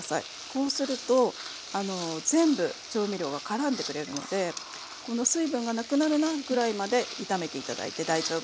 こうすると全部調味料がからんでくれるのでこの水分がなくなるなぐらいまで炒めて頂いて大丈夫です。